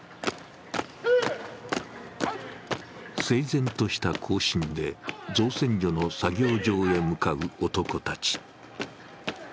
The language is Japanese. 整然とした行進で造船所の作業場へ向かう男たち。